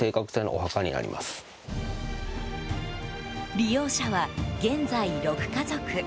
利用者は現在、６家族。